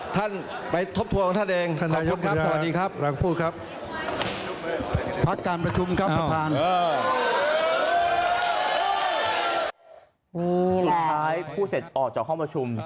ท่านไปทบทวนของท่านเอง